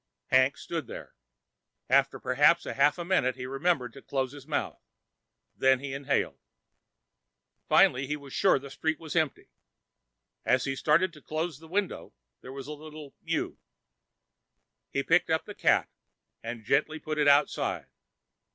Hank stood there. After perhaps a half minute he remembered to close his mouth when he inhaled. Finally he was sure the street was empty. As he started to close the window, there was a little mew. He picked up the cat and gently put it outside.